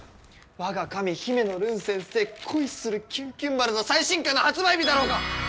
我が神姫乃るん先生「恋するキュンキュン丸」の最新巻の発売日だろうが！